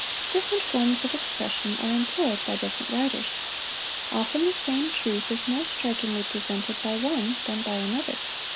Different forms of expression are employed by different writers; often the same truth is more strikingly presented by one than by another.